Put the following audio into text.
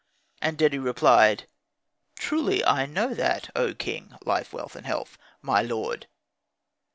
And Dedi replied, "Truly, I know that, O king (life, wealth, and health), my lord."